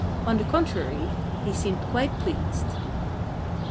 On the contrary, he seemed quite pleased.